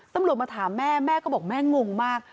ตำรวจมาถามแม่แม่ก็บอกแม่งงมาก